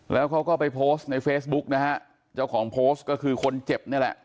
แล้วเขาก็ไปโพสต์ในเฟซบุ๊กนะฮะเจ้าของโพสต์ก็คือคนเจ็บนี่แหละ